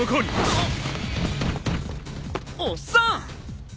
あっ！